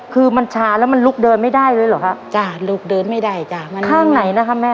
คือมันชาแล้วมันลุกเดินไม่ได้เลยเหรอคะจ้ะลุกเดินไม่ได้จ้ะมันข้างไหนนะคะแม่